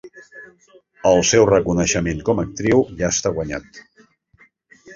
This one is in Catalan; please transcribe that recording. El seu reconeixement com a actriu ja està guanyat.